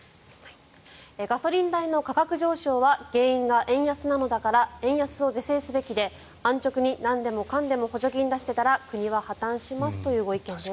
ガソリン代の価格上昇は原因が円安なのだから円安を是正すべきで安直に何でもかんでも補助金を出していたら国は破たんしますというご意見です。